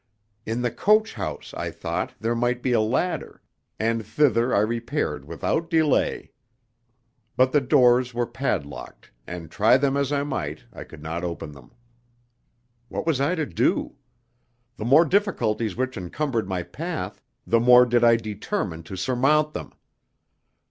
In the coach house, I thought, there might be a ladder, and thither I repaired without delay. But the doors were padlocked, and try them as I might I could not open them. What was I to do? The more difficulties which encumbered my path, the more did I determine to surmount them.